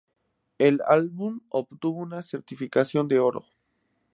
El álbum obtuvo una certificación de oro.